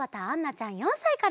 ちゃん４さいから。